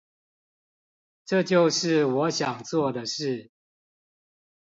這就是我想做的事